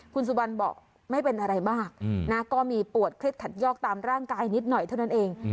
คุณสุบันบอกไม่เป็นอะไรมากนะก็มีปวดเคล็ดขัดยอกตามร่างกายนิดหน่อยเท่านั้นเอง